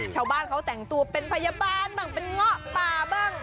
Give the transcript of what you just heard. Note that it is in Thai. ชาวบ้านเขาแต่งตัวเป็นพยาบาลบ้างเป็นเงาะป่าบ้าง